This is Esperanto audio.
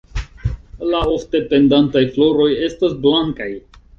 La ofte pendantaj floroj estas blankaj.